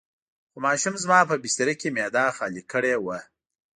خو ماشوم زما په بستره کې معده خالي کړې وه.